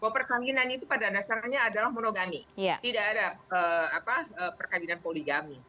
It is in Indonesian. bahwa perkawinan itu pada dasarnya adalah monogami tidak ada perkawinan poligami